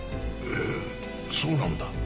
へえそうなんだ。